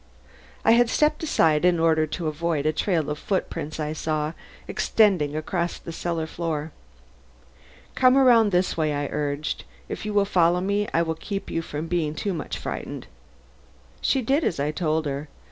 I had stepped aside in order to avoid a trail of footprints I saw extending across the cellar floor. "Come around this way," I urged. "If you will follow me I will keep you from being too much frightened." She did as I told her.